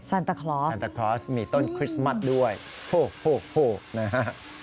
ซันตะครอสมีต้นคริสต์มัสด้วยโฮนะฮะ